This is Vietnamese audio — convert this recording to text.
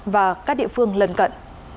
và các địa phương lân cận